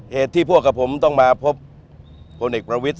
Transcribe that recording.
เหตุที่พวกกับผมต้องมาพบพลเอกประวิทย